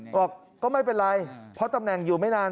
บอกก็ไม่เป็นไรเพราะตำแหน่งอยู่ไม่นาน